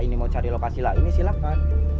ini mau cari lokasi lainnya silakan